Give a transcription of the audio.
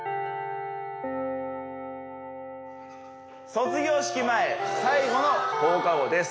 卒業式前最後の放課後です